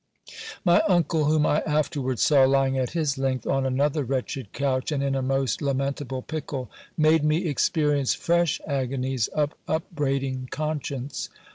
My uncle, whom I aftenvards saw lying at his length on another wretched couch, and in a most lamentable pickle, made me experience fresh agonies of upbraiding conscience.